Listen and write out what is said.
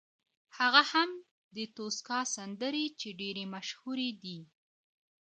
هغه هم د توسکا سندرې چې ډېرې مشهورې دي.